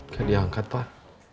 dia diangkat pak